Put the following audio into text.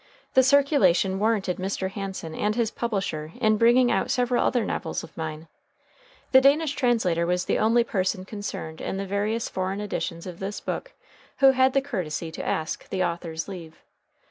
The circulation warranted Mr. Hansen and his publisher in bringing out several other novels of mine. The Danish translator was the only person concerned in the various foreign editions of this book who had the courtesy to ask the author's leave.